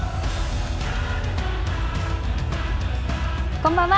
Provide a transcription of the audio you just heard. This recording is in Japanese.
こんばんは。